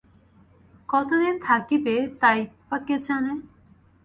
কতদিন থাকিবে তাই বা কে জানে।